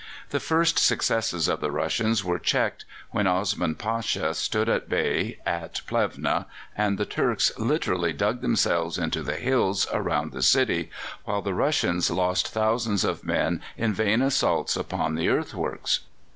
The first successes of the Russians were checked when Osman Pasha stood at bay at Plevna, and the Turks literally dug themselves into the hills around the city, while the Russians lost thousands of men in vain assaults upon the earthworks.